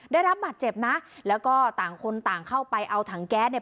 ได้รับบาดเจ็บนะแล้วก็ต่างคนต่างเข้าไปเอาถังแก๊สเนี่ย